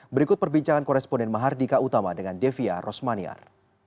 berikut perbincangan koresponden mahardika utama dengan devia rosmaniar